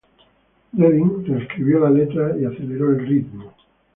Redding reescribió la letra y aceleró el ritmo.